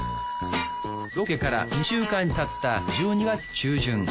ロケから２週間経った１２月中旬。